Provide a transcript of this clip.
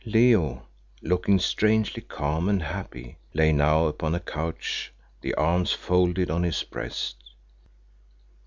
Leo, looking strangely calm and happy, lay now upon a couch, the arms folded on his breast.